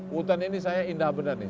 hutan ini saya indah benar nih